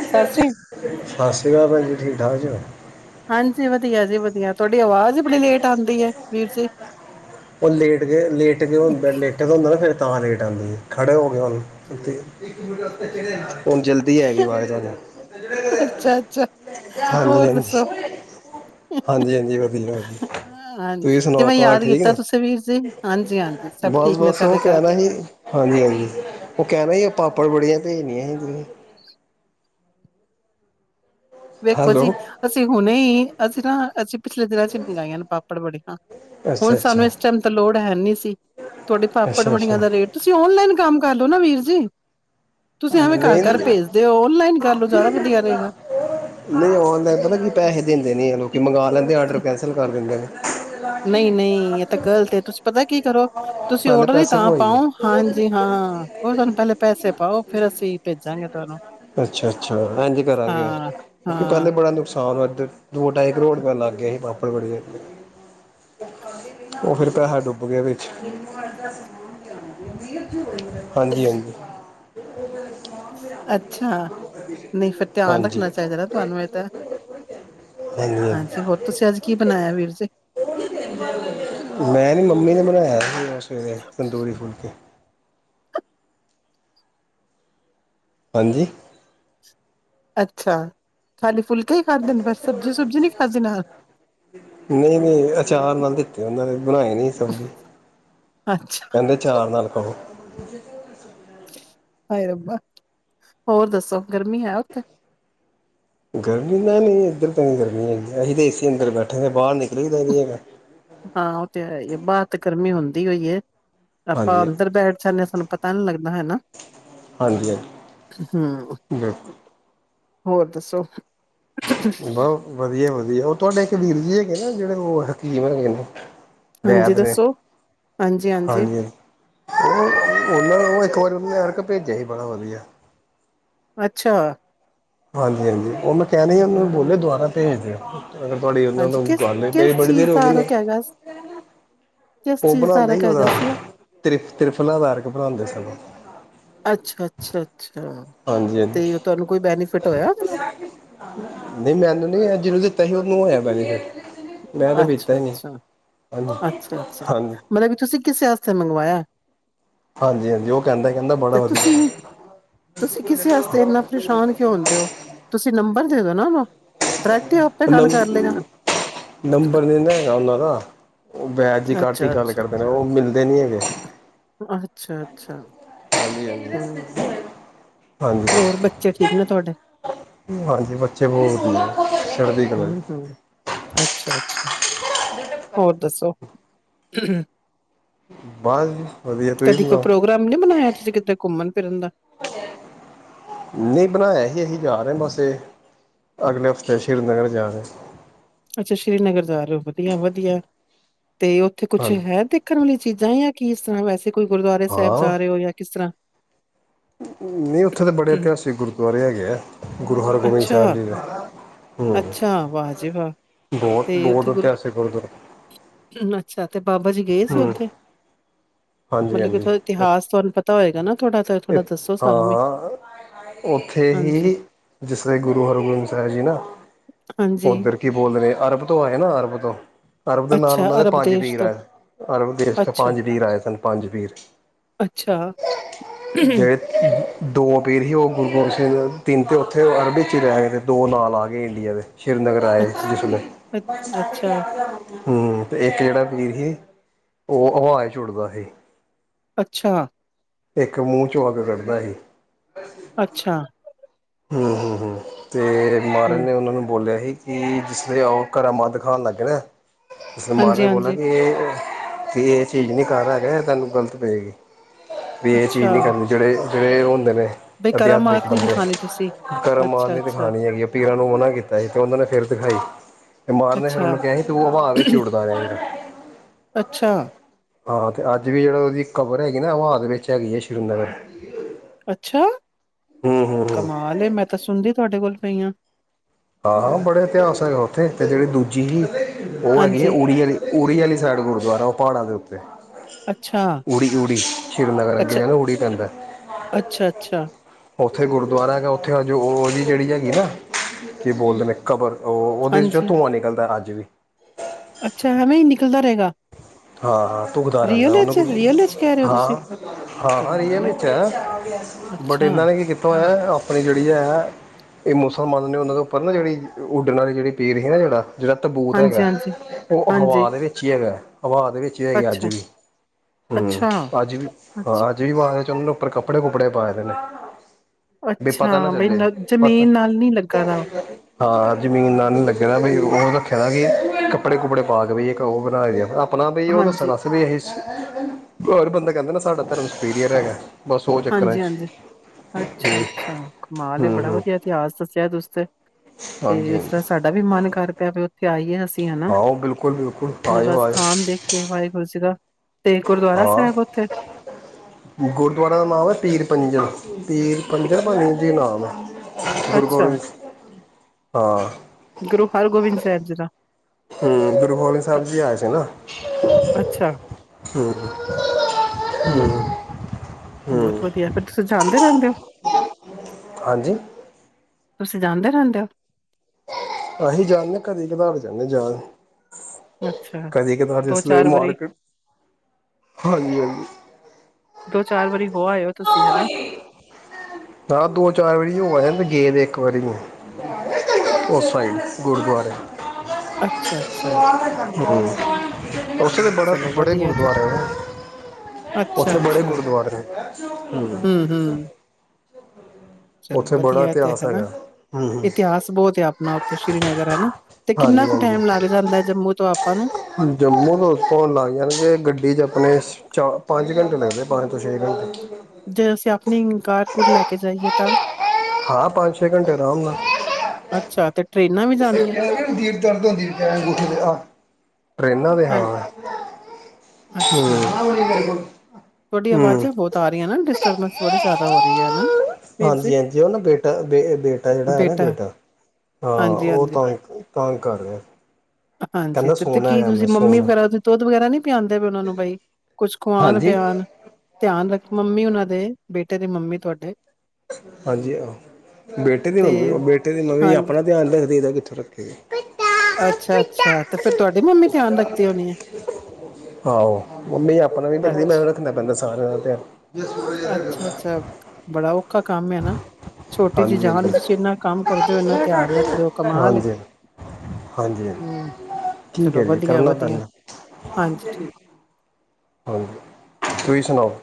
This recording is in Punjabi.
ਸਤਿ ਸ਼੍ਰੀ ਅਕਾਲ ਭੈਂਜੀ। ਠੀਕ-ਠਾਕ ਜੀ। ਹਾਂਜੀ ਵਧੀਆ ਜੀ ਵਧੀਆ [unintelligible] ਆਵਾਜ਼ ਹੀ ਬੜੀ ਲੇਟ ਆਉਂਦੀ ਹੈ ਵੀਰ ਜੀ। ਉਹ ਲੇਟ ਗਏ ਲੇਟ ਗਏ ਹੁਣ ਬੈ ਲੇਟੇ ਦਾ ਹੁੰਦਾ ਨਾ ਫਿਰ ਤਾਂ ਲੇਟ ਆਂਦੀ ਏ ਖੜੇ ਹੋਕੇ [unintelligible] ਹੁਣ ਜਲਦੀ ਹੈਗੀ ਆਵਾਜ਼ [unintelligible] ਅੱਛਾ ਅੱਛਾ ਹੋਰ ਦੱਸੋ ਹਾਂਜੀ-ਹਾਂਜੀ, ਹਾਂਜੀ-ਹਾਂਜੀ ਵਧੀਆ। ਹਾਂਜੀ ਤੁਸੀਂ ਸੁਣਾਓ ਕਿਵੇਂ ਘਰ ਯਾਦ ਠੀਕ ਕੀਤਾ ਨੇ ਤੁਸੀਂ ਵੀਰ ਜੀ ਹਾਂਜੀ ਹਾਂਜੀ ਸਭ ਠੀਕ ਨੇ ਬਸ-ਬਸ ਉਹ ਸਾਡੇ ਘਰ ਕਹਿਣਾ ਸੀ ਹਾਂਜੀ ਹਾਂਜੀ ਉਹ ਕਹਿਣਾ ਸੀ ਆਪਾਂ ੜ ਵੜੀਆਂ ਭੇਜਣੀਆ ਸੀ ਤੁਸੀਂ। ਵੇਖੋ ਜੀ ਹੈਲੋ ਅਸੀਂ ਹੁਣੇ ਹੀ ਅਸੀ ਨਾ ਅਸੀ ਪਿਛਲੇ ਦਿਨਾਂ ਚ ਹੀ ਮੰਗਵਾਈਆਂ ਨੇ ਪਾ ਪਾਪੜ ਵੜੀਆ। ਹੁਣ ਅੱਛਾ ਸਾਨੂੰ ਅੱਛਾ ਇਸ ਟਾਈਮ ਤਾਂ ਲੋੜ ਹੈ ਨੀ ਸੀ ਤੁਹਾਡੇ ਪਾਪੜ ਅੱਛਾ ਵੜੀਆਂ ਅੱਛਾ ਦਾ ਰੇਟ ਤੁਸੀਂ ਔਨਲਾਈਨ ਕੰਮ ਕਰ ਲਓ ਨਾ ਵੀਰ ਜੀ ਤੁਸੀਂ ਐਵੇਂ ਨਹੀਂ ਘਰ-ਘਰ ਨਹੀਂ ਭੇਜਦੇ ਹੋ ਓਨਲਾਈਨ ਕਰ ਲੋ ਜ਼ਿਆਦਾ ਵਧੀਆ ਰਹੇਗਾ। ਨਹੀਂ ਔਨਲਾਈਨ ਪਤਾ ਕੀ ਪੈਸੇ ਦਿੰਦੇ ਨੀ ਆ ਲੋਕੀ ਮੰਗਵਾ ਲੈਂਦੇ ਆਰਡਰ ਕੈਂਸਲ ਕਰ [unintelligible] ਨਹੀਂ-ਨਹੀਂ ਇਹ ਤਾਂ ਗ਼ਲਤ ਹੈ ਤੁਸੀਂ ਪਤਾ ਕੀ ਕਰੋ ਤੁਸੀਂ ਪਹਿਲੇ ਔਡਰ ਹੀ ਪੈਸੇ ਤਾਂ ਪਵਾਈਏ ਪਾਓ, ਹਾਂਜੀ ਹਾਂ ਉਹ ਤੁਹਾਨੂੰ ਪਹਿਲੇ ਪੈਸੇ ਪਾਓ। ਫੇਰ ਅਸੀਂ ਭੇਜਾਂਗੇ ਤੁਹਾਨੂੰ। ਅੱਛਾ-ਅੱਛਾ ਇੰਜ ਕਰਾਂਗੇ ਹਾਂ, ਕਿਉਂਕਿ ਹਾਂ ਪਹਿਲੇ ਬੜਾ ਨੁਕਸਾਨ ਇੱਧਰ ਦੋ ਢਾਈ ਕਰੋੜ ਰੁਪਇਆ ਲੱਗ ਗਿਆ ਹੀ ਪਾ ਪਾਪੜ ਵੜੀਆ ਉਹ ਫਿਰ ਪੈਹਾ ਡੁੱਬ ਗਿਆ ਵਿੱਚ। ਹਾਂਜੀ-ਹਾਂਜੀ [inaudible] ਅੱਛਾ। ਨਹੀਂ ਫਿਰ ਧਿਆਨ ਹਾਂਜੀ ਰੱਖਣਾ ਚਾਹੀਦਾ ਨਾ ਤੁਹਾਨੂੰ ਇਹ ਤਾਂ ਹਾਂਜੀ ਹੋਰ ਤੁਸੀਂ ਅੱਜ ਕੀ ਬਣਾਇਆ ਵੀਰ ਜੀ। ਮੈਂ ਨਹੀਂ ਮੰਮੀ ਨੇ ਬਣਾਇਆ ਸਿ ਸਵੇਰੇ ਤੰਦੂਰੀ ਫੁਲਕੇ ਹਾਂਜੀ। ਅੱਛਾ ਖਾਲੀ ਫੁਲ ਨਹੀਂ ਨਹੀਂ ਅਚਾਰ ਨਾਲ ਦਿੱਤੇ ਉਹਨਾਂ ਨੇ ਬਣਾਏ, ਨੀ ਸਬਜ਼ੀ ਅੱਛਾ ਕਹਿੰਦੇ ਅਚਾਰ ਨਾਲ ਖਾਓ। [unintelligible] ਹਾਏ ਰੱਬਾ ਹੋਰ ਦੱਸੋ ਗਰਮੀ ਹੈ, ਓਥੇ ਗਰਮੀ ਨਾ ਨੀ ਇੱਧਰ ਤਾਂ ਨੀ ਗਰਮੀ ਹੈਗੀ ਅਸੀਂ ਤਾਂ ਏਸੀ ਅੰਦਰ ਬੈਠੇ ਬਾਹਰ ਨਿਕਲ ਹਾਂ ਉਹ ਤੇ ਹੈ ਈ ਏ ਬਾਹਰ ਤੇ ਗਰਮੀ ਹੁੰਦੀ ਏ ਦੀ ਹੋਈ ਏ ਆਪਾਂ ਹਾਂਜੀ ਅੰਦਰ ਬੈਠ ਜਾਂਦੇ ਹਾਂ ਸਾਨੂੰ ਪਤਾ ਨਹੀਂ ਲੱਗਦਾ ਹੈਨਾ ਹਾਂਜੀ ਹਾਂਜੀ ਹਮ ਬਿਲਕੁਲ ਹੋਰ ਦੱਸੋ ਬਸ ਵਧੀਆ ਵਧੀਆ ਉਹ ਤੁਹਾਡੇ ਇੱਕ ਵੀਰ ਜੀ ਹੈਗੇ ਨਾ ਜਿਹੜੇ ਉਹ ਹਕੀਮ ਹੈਗੇ ਨੇ। ਹਾਂਜੀ ਵੈਦ ਨੇ ਦੱਸੋ ਹਾਂਜੀ-ਹਾਂਜੀ ਹਾਂਜੀ ਹਾਂ ਉਹ ਉਹਨਾਂ ਇੱਕ ਵਾਰੀ ਅਰਕ ਭੇਜਿਆ ਸੀ ਬੜਾ ਵਧੀਆ। ਅੱਛਾ। ਹਾਂਜੀ-ਹਾਂਜੀ। ਉਹ ਮੈਂ ਕਿਆ ਨਹੀਂ ਉਹਨੂੰ ਹਾਂ, ਬੋਲੇ ਦੁਬਾਰਾ ਭੇਜ ਦਿਓ। [unintelligible] ਅਗਰ ਤੁਹਾਡੀ ਉਹਨਾਂ ਹਾਂਜੀ ਨਾਲ ਕੋਈ ਕਿਸ ਗੱਲ ਹੋਈ ਤੇ ਕਿਸ ਬੜੀ ਚੀਜ਼ ਦੇਰ ਦਾ ਹੋਈ ਗਈ। ਅਰਕ ਹੈਗਾ ਸ ਕਿਸ ਉਹ ਚੀਜ਼ ਦਾ ਬਣਾਦੇ ਅਰਕ ਸੀ ਉਹਦਾ ਹੈਗਾ ਉਹ? ਤ੍ਰਿ ਤ੍ਰਿਫਲਾ ਦਾ ਅਰਕ ਬਣਾਦੇ ਸਨ ਉਹ। ਅੱਛਾ, ਅੱਛਾ, ਅੱਛਾ ਤੇ ਹਾਂਜੀ-ਹਾਂਜੀ, ਉਹ ਤੁਹਾਨੂੰ ਕੋਈ ਬੈਨੀਫਿਟ ਹੋਇਆ ਉਹਦੇ ਨਾਲ? ਨੀ ਮੈਨੂੰ ਨੀ ਜਿਹਨੂੰ [unintelligible] ਤਾਂ ਪੀਤਾ ਹੀ ਨਹੀਂ ਹਾਂਜੀ ਅੱਛਾ-ਅੱਛਾ-ਅੱਛਾ-ਅੱਛਾ ਹਾਂਜੀ ਮਤਲਬ ਵੀ ਤੁਸੀਂ ਕਿਸੇ ਵਾਸਤੇ ਮੰਗਵਾਇਆ। ਹਾਂਜੀ ਹਾਂਜੀ ਉਹ ਕਹਿੰਦਾ ਕਹਿੰਦਾ ਤੇ ਬੜਾ ਤੁਸੀਂ ਵਧੀਆ ਤੁਸੀਂ ਕਿਸੇ ਆਸਤੇ ਇੰਨਾ ਪਰੇਸ਼ਾਨ ਕਿਉਂ ਹੁੰਦੇ ਹੋ। ਤੁਸੀਂ ਨੰਬਰ ਦੇ ਦੋ ਨਾ ਉਹਨੂੰ ਡਾਇਰੈਕਟ ਹੀ ਆਪੇ ਗੱਲ ਕਰ ਲਏਗਾ ਨੰਬਰ ਨਹੀਂ ਨਾ ਹੈਗਾ ਉਹਨਾਂ ਦਾ ਉਹ ਵੈਦ ਜੀ ਘੱਟ ਹੀ ਅੱਛਾ, ਗੱਲ ਅੱਛਾ, ਕਰਦੇ ਨੇ ਉਹ ਮਿਲਦੇ ਨਹੀਂ ਹੈਗੇ। ਅੱਛਾ, ਅੱਛਾ ਹੂੰ, [inaudible] ਹੋਰ ਬੱਚੇ ਠੀਕ ਹਾਂਜੀ ਨੇ ਤੁਹਾਡੇ? ਹਾਂਜੀ ਬੱਚੇ ਬਹੁਤ ਵਧੀਆ ਚੜ੍ਹਦੀ ਕਲਾ ਹਮ ਚ। ਹਮ ਅੱਛਾ ਅੱਛਾ ਹੋਰ ਦੱਸੋ ਬਸ ਜੀ ਵਧੀਆ ਤੁਸੀਂ ਕਦੀ ਕੋਈ ਸੁਣਾਓ ਪ੍ਰੋਗਰਾਮ ਨੀ ਬਣਾਇਆ ਤੁਸੀਂ ਕਿਤੇ ਘੁੰਮਣ ਫਿਰਨ ਦਾ ਨਹੀਂ ਬਣਾਇਆ ਹੀ ਅਸੀਂ ਜਾ ਰਹੇ ਹ ਬਸ ਇਹ ਅਗਲੇ ਹਫ਼ਤੇ ਸ੍ਰੀਨਗਰ ਜਾ ਰਹੇ ਅੱਛਾ ਸ੍ਰੀਨਗਰ ਜਾ ਰਹੇ ਹੋ ਵਧੀਆ ਵਧੀਆ ਤੇ ਉੱਥੇ ਕੁਛ ਹਾਂਜੀ ਹੈ ਦੇਖਣ ਵਾਲੀ ਚੀਜ਼ ਨੀ ਆ ਕੀ ਇਸ ਤਰ੍ਹਾਂ ਵੈਸੇ ਕੋਈ ਗੁਰਦੁਆਰੇ ਸਾਹਿਬ ਹਾਂ ਜਾ ਰਹੇ ਹੋ ਜਾਂ ਕਿਸ ਤਰ੍ਹਾਂ ਨਹੀਂ ਉੱਥੇ ਦੇ ਬੜੇ ਇਤਿਹਾਸਿਕ ਗੁਰਦੁਆਰੇ ਹੈਗੇ ਆ ਗੁਰੂ ਹਰਗੋਬਿੰਦ ਅੱਛਾ, ਸਾਹਿਬ ਜੀ ਦੇ ਹੂੰ। ਅੱਛਾ ਵਾਹ ਜੀ ਵਾਹ ਬਹੁਤ ਤੇ ਬਹੁਤ ਉੱਥੇ ਗੁਰੂ ਇਤਿਹਾਸਿਕ ਗੁਰਦੁਆਰੇ। ਅੱਛਾ ਤੇ ਬਾਬਾ ਜੀ ਗਏ ਸੀ ਉੱਥੇ। ਮਤਲਬ ਕਿ ਉੱਥੋਂ ਇਤਿਹਾਸ ਤੁਹਾਨੂੰ ਪਤਾ ਹੋਏਗਾ ਨਾ ਥੋੜਾ। ਤਾਂ ਤੇ ਥੋੜਾ ਦੱਸੋ ਸਾਨੂੰ ਵੀ? ਹਾਂ ਹਾਂ ਉੱਥੇ ਹਾਂਜੀ, ਹੀ ਜਿਸ ਨੇ ਗੁਰੂ ਹਰਗੋਬਿੰਦ ਸਾਹਿਬ ਜੀ ਨਾ ਹਾਂਜੀ ਉੱਧਰ ਕੀ ਬੋਲ ਰਹੇ ਏ ਅਰਬ ਤੋਂ ਆਏ ਨਾ ਅਰਬ ਤੋਂ। ਅਰਬ ਦੇ ਨਾਲ ਅੱਛਾ ਉਹਨਾਂ ਦੇ ਅਰਬ ਪੰਜ ਦੇਸ਼ ਵੀਰ ਤੋਂ ਆਏ ਅਰਬ ਦੇਸ਼ ਤੋਂ ਅੱਛਾ, ਪੰਜ ਵੀਰ ਆਏ ਸਨ ਪੰਜ ਵੀਰ। ਅੱਛਾ। ਜੇਤ ਸੀ ਦੋ ਪੀਰ ਸੀ ਉਹ ਗੁਰੂ ਗੋਬਿੰਦ ਸਿੰਘ ਦੇ ਤਿਨ ਤੇ ਉੱਥੇ ਅਰਬੀ 'ਚ ਹੀ ਰਹਿ ਗਏ ਅਤੇ ਦੋ ਨਾਂਲ ਆ ਗਏ ਇੰਡੀਆ ਦੇ। ਸ੍ਰੀਨਗਰ ਆਏ ਅੱਛ ਸਿੱਧੇ ਅ ਅੱਛਾ, ਹੂੰ ਤੇ ਇੱਕ ਕਿਹੜਾ ਵੀਰ ਸੀ। ਉਹ ਹਵਾ ਚ ਉੁੱੜਦਾ ਸੀ। ਅੱਛਾ। ਇੱਕ ਮੂੰਹ ਚੋਂ ਅੱਗ ਕੱਢਦਾ ਸੀ। ਬਸਸ। ਅੱਛਾ ਹੂੰ ਹੂੰ ਹੂੰ। ਤੇ ਮਹਾਰਜ ਹੂੰ ਨੇ ਉਹਨਾਂ ਨੂੰ ਬੋਲਿਆ ਸੀ। ਕਿ ਜਿਸਦੇ ਉਹ ਕਰਾ ਮਾਤ ਦਿਖਾਣ ਲਾਗੇ ਨਾ। ਇਸ ਮਾ ਨੇ ਬੋਲਾ ਹਾਂਜੀ-ਹਾਂਜੀ ਕੇ ਇਹ। ਵੀ ਇਹ ਚੀਜ਼ ਨੀ ਘਰ ਆਗੇ ਤੈਨੂੰ ਗ਼ਲਤ ਪਏਗੀ। ਵੀ ਇਹ ਚੀਜ਼ ਨਹੀਂ ਕਰਨੀ ਜਿਹੜੇ। ਜਿਹੜੇ ਉਹ ਹੁੰਦੇ ਨੇ। ਬਾਈ ਕਰਾਮਾਤ ਨਹੀਂ ਦਿਖਾਉਣੀ। ਕਰਾਮਾਤ ਨੀ ਦਿਖਾਉਣੀ ਹੈਗੀ ਆ ਪੀਰਾਂ ਨੂੰ ਮਨਾਂ ਕੀਤਾ ਸੀ ਤੇ ਉਹਨਾਂ ਨੇ ਫੇਰ ਦਿਖਾਈ ਤੇ ਮਾਰ ਨੇ ਫਿਰ ਅੱਛਾ, ਉਹਨੂੰ ਕਿਹਾ ਸੀ ਤੂੰ ਭਾਵੇਂ ਵਿਚ ਉੱਡਦਾ ਜਾਈਂ। ਅੱਛਾ, ਹਾਂ ਤੇ ਅੱਜ ਵੀ ਜਿਹੜਾ ਉਹਦੀ ਕਬਰ ਹੈਗੀ ਨਾ ਉਹ ਆਦ ਵਿੱਚ ਹੈਗੀ ਹੈ ਸ਼੍ਰੀਨਗਰ। ਅੱਛਾ। ਹੂੰ ਹੂੰ ਹੂੰ ਕਮਾਲ ਮੈਂ ਤਾਂ ਸੁਣਦੀ। ਤੁਹਾਡੇ ਕੋਲ ਪਈਆਂ। ਹਾਂ ਹਾਂ ਬੜੇ ਇਤਿਹਾਸ ਹੈਗਾ ਉੱਥੇ ਤੇ ਜਿਹੜੀ ਦੂਜੀ ਸੀ। ਉਹ ਹੈਗੀ ਹੈ ਹਾਂਜੀ, ਉੜਰੀ ਵਾਲੀ ਉਰੀ ਵਾਲੀ ਸਾਈਡ ਗੁਰਦੁਆਰਾ ਉਹ ਪਹਾੜਾਂ ਦੇ ਉੱਪਰ। ਅੱਛਾ, ਅਤੇ। ਉਡੀ ਉਡੀ ਸ੍ਰੀਨਗਰ ਅੱਛਾ, ਅੱਗੇ ਨਾ ਉਡੀ ਪੈਦਾ। ਅੱਛਾ, ਅੱਛਾ, ਉੱਥੇ ਗੁਰਦੁਆਰਾ ਹੈਗਾ ਉੱਥੇ ਅੱਜ ਉਹ ਦੀ ਜਿਹੜੀ ਹੈਗੀ ਨਾ। ਕੀ ਬੋਲਦੇ ਨੇ ਕਬਰ। ਉਹ ਉਹਦੇ ਚੋਂ ਹਾਂਜੀ, ਧੂੰਆਂ ਨਿਕਲਦਾ ਅੱਜ ਅੱਜ ਵੀ ਅੱਛਾ ਐਵੇਂ ਹੀ ਨਿਕਲਦਾ ਰਹੇਗਾ ਹਾਂ ਹਾਂ ਧੁੱਖਦਾ ਰਹਿੰਦਾ ਰੀਅਲ ਉਹਨਾਂ ਵਿੱਚ ਕੋਲ ਰੀਅਲ ਵਿੱਚ ਕਹਿ ਰਹੇ ਹੋ ਹਾਂ ਤੁਸੀਂ? ਹਾਂ ਹਾਂ ਰੀਅਲ ਕਮਾਲ ਏ, ਵਿੱਚ ਹੈ ਬਟ ਅੱਛਾ, ਇਹਨਾਂ ਨੇ ਕੀ ਕੀਤਾ ਹੋਇਆ ਆਪਣੀ ਜਿਹੜੀ ਹੈ ਇਹ ਮੁਸਲਮਾਨ ਨੇ ਉਹਨਾਂ ਦੇ ਉੱਪਰ ਨਾ ਜਿਹੜੀ ਉੱਡਣ ਵਾਲੀ ਜਿਹੜੀ ਪੀਰ ਸੀ ਨਾ ਜਿਹੜਾ ਜਿਹੜਾ ਤਬੂਤ ਹਾਂਜੀ, ਹੈਗਾ ਹਾਂਜੀ, ਉਹ ਹਾਂਜੀ, ਹਵਾ ਦੇ ਵਿੱਚ ਹੀ ਹੈਗਾ ਹਵਾ ਦੇ ਵਿੱਚ ਵੀ ਹੈਗੇ ਅੱਜ ਅੱਛਾ, ਵੀ ਹਮ ਅੱਛਾ, ਅੱਜ ਵੀ ਅੱਛ ਹਾਂ ਅੱਜ ਵੀ ਵਵਾ ਚੱਲ ਉੱਪਰ ਕਪੜੇ ਕੁਪੜੇ ਪਾਏ ਦੇ ਨੇ ਵੀ ਅੱਛਾ ਪਤਾ ਨਾ ਬਈ ਚੱਲੇ ਪਤਾ ਜ਼ਮੀਨ ਨਾਲ ਨਹੀਂ ਲੱਗਾ ਦਾ ਹਾਂ ਜ਼ਮੀਨ ਨਾਲ ਨ ਲੱਗੇਣਾ ਵੀ ਉਹ ਰੱਖਨਾ ਦਾ ਕਿ ਕੱਪੜੇ ਕੁਪੜੇ ਪਾ ਕੇ ਇੱਕ ਉਹ ਬਣਾ ਦੇ ਆਪਣਾ ਵੀ ਉਹ ਹਾਂਜੀ, ਦੱਸਣ ਅ ਵੀ ਇਹ ਹੋਰ ਬੰਦਾ ਕਹਿੰਦਾ ਨਾ ਸਾਡਾ ਧਰਮ ਸੁਪੀਰੀਅਰ ਹੈਗਾ ਬਸ ਉਹ ਚੱਕਰਾਂ ਹਾਂਜੀ 'ਚ ਹਾਂਜੀ ਅੱਛਾ ਅੱਛਾ ਕਮਾਲ ਹੂੰ ਬੜਾ ਹੂੰ ਵਧੀਆ ਇਤਿਹਾਸ ਦੱਸਿਆ ਤੁਸ ਤੇ ਤੇ ਹਾਂਜੀ ਇਸ ਹਾਂਜੀ ਤਰ੍ਹਾਂ ਸਾਡਾ ਵੀ ਮਨ ਕਰ ਪਿਆ ਵੀ ਉੱਥੇ ਆਈਏ ਹਨਾ ਆਓ ਬਿਲਕੁਲ ਬਿਲਕੁਲ ਉਹ ਦਾ ਆਇਓ ਆਇਓ ਸਥਾਨ ਦੇਖ ਕੇ ਵਾਹਿਗੁਰੂ ਜਗਾ ਤੇ ਗੁਰਦੁਆਰਾ ਹਾਂ ਸਾਹਿਬ ਓਥੇ ਗੁਰਦੁਆਰਾ ਦਾ ਨਾਮ ਹੈ ਪੀਰ ਪੰਜਣ ਪੀਰ ਪੰਜਰਬਨੀ ਜੀ ਨਾ ਹ ਗੁਰੂ ਅੱਛਾ ਗੋਬਿੰਦ ਸ ਹਾਂ ਗੁਰੂ ਹਰਗੋਬਿੰਦ ਸਾਹਿਬ ਜੀ ਦਾ ਹਂ, ਗੁਰਖੋਲੀ ਅ- ਸਾਹਿਬ ਜੀ ਆਏ ਸੀ ਨਾ। ਅੱਛਾ ਹਂ ਬਹੁਤ ਹੂੰ ਵਧੀਆ ਫਿਰ ਤੁਸੀਂ ਜਾਂਦੇ ਰਹਿੰਦੇ ਓ? ਹਾਂਜੀ! ਤੁਸੀਂ ਜਾਦੇ ਰਹਿੰਦੇ ਓ? ਅਸੀਂ ਜਾਣਣੇ ਕਦੀ ਕਧਾਰ ਜਾਂਣੇ ਜਾਣ ਹੋ ਅੱਛਾ [unintelligible] ਕਦੀ ਕਤਾਰ ਦੋ ਜਿਸ ਲਈ ਚਾਰ ਵਾਰੀ ਮਾਰਕਟ ਹਾਂਜੀ ਹਾਂਜੀ। ਦੋ ਚਾਰ ਵਾਰੀ ਹੋ ਆਇਓ ਤੁਸੀਂ ਹਨਾਂ? ਹਾਂ, ਦੋ-ਚਾਰ ਵਾਰੀ ਹੋਆਏ ਤੇ ਗਏ ਦੇ ਇੱਕ ਵਾਰੀ ਨੀਂ ਉਸ ਸਾਈਡ ਗੁਰਦੁਆਰੇ ਅੱਛਾ [inaudible] ਅੱਛਾ ਉੱਥੇ ਤਾਂ ਹਾਂ ਬੜੇ ਚਲੋ ਵਧੀਆ ਤੇ ਗੁਰਦੁਆਰੇ ਅੱਛਾ ਉੱਥੇ ਬੜੇ ਅੱਛਾ ਗੁਰਦੁਆਰੇ--ਹਂ ਹੂੰ ਹੂੰ ਚਲੋ ਵਧੀਆ ਤੇ ਹਨਾਂ, ਹੈਗਾ ਹੂੰ ਹੂੰ ਇਤਿਹਾਸ ਬਹੁਤ ਆ ਆਪਣਾ ਉੱਥੇ ਸ਼੍ਰੀਨਗਰ ਹਨਾਂ ਤੇ ਕਿੰਨਾ ਹਾਂਜੀ ਕੁ ਹਾਂਜੀ ਟੈਮ ਲੱਗ ਜਾਂਦਾ ਜੰਮੂ ਤੋਂ ਅ ਜੰਮੂ ਤੋਂ ਓਥੋਂ ਲੱਗ ਜਾਂਦੇ ਆ ਗੱਡੀ ਚ ਆਪਣੇ ਚ ਪੰਜ ਘੰਟੇ ਲਗਦੇ ਪੰਜ ਤੋਂ ਛੇ ਘੰਟੇ ਜੇ ਅਸੀਂ ਆਪ ਆਪਣੀ ਕਾਰ ਕੁਰ ਲੈ ਕੇ ਜਾਈਏ ਤਾਂ ਹਾਂ ਪੰਜ ਛੇ ਘੰਟੇ ਅਰਾਮ ਨਾਲ [unintelligible] [inaudible] ਅੱਛਾ ਤੇ ਟ੍ਰੇਨਾਂ ਵੀ ਜਾਂਦੀਆਂ ਦਰਦ ਹੁੰਦੀ ਅੰਗੂਠੇ ਤੇ ਆ ਟਰੇਨਾਂ ਦੇ ਹਾਂ ਹੈਲ ਅੱਛਾ, ਹਂ ਤੁਹਾਡੀ ਆਵਾਜ਼ਾਂ ਬਹੁਤ ਆ ਰਹੀਆਂ ਨਾਂ ਡਿਸਟਰਬੈਂਸ ਬੜੀ ਜ਼ਿਆਦਾ ਹੋ ਰਹੀ ਐ ਹਨਾਂ। ਹਾਂਜੀ ਹਾਂਜੀ, ਉਹ ਨਾ ਬੇਟਾ, ਬੇਟਾ ਜਿਹੜਾ ਹੈ ਨਾਂ ਬੇਟਾ ਹਾਂ ਉਹ ਹਾਂਜੀ-ਹਾਂਜੀ, ਤੰਗ, ਤੰਗ ਕਰ ਰਿਆ। ਹਾਂਜੀ ਹਾਂਜੀ ਕਹਿੰਦਾ ਤੇ ਤੇ ਸੋਣਾ ਕੀ ਹੈਗਾ ਮੈਂ ਤੁਸੀਂ ਮੰਮੀ ਸੋਣਾ। ਵਗੈਰਾ ਤੁਸੀਂ ਦੁੱਧ ਵਗੈਰਾ ਨਹੀਂ ਹਾਂਜੀ। ਧਿਆਨ, ਧਿਆਨ ਰੱਖ ਮੰਮੀ ਹੋਣਾ ਦ ਦੇ ਬੇਟੇ ਦੀ ਮੰਮੀ ਤੁਆਡੇ ਹਾਂਜੀ ਆਹੋ, ਬੇਟੇ ਦੀ ਤੇ ਮੰਮੀ, ਬੇਟੇ ਦੀ ਮੰਮੀ ਆਪਣਾ ਧਿਆਨ ਰੱਖਦੀ ਰੱਖੇ ਅੱਛਾ ਅੱਛਾ ਤੇ ਫਿਰ ਤੁਆਡੀ ਮੰਮੀ ਧਿਆਨ ਰੱਖਦੀ ਹੋਣੀ ਐ ਆਹੋ ਮੰਮੀ ਆਪਣਾ ਵੀ ਰੱਖਦੀ ਮੈਨੂੰ ਅੱਛਾ। ਰੱਖਣਾ ਪੈਂਦਾ ਸਾਰਿਆਂ ਦਾ ਧਿਆਨ ਅੱਛਾ ਅੱਛਾ ਬੜਾ ਔਖਾ ਕੰਮ ਐ ਨਾਂ? ਛੋਟੀ ਜਿਹੀ ਹਾਂਜੀ ਹਾਂਜੀ ਜਾਨ ਚ ਜਿੰਨਾ ਕੰਮ ਕਰਦੇ ਹੋ ਇੰਨਾ ਧਿਆਨ ਰੱਖ ਦੇਓ ਕਮਾਲ ਏ ਹਾਂਜੀ ਹਾਂਜੀ ਹਾਂਜੀ ਹਂ, ਕੀ ਚਲੋ ਕਰੀਏ ਵਧੀਆ ਕਰਨਾ ਵਧੀਆ ਪੈਂਦਾ ਹਾਂਜੀ ਠੀਕ। ਹਾਂਜੀ ਤੁਸੀਂ ਸੁਣਾਓ